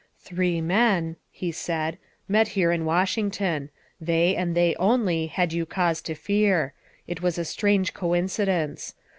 " Three men," he said, " met here in Washington. They, and they only, had you cause to fear. It was a strange coincidence.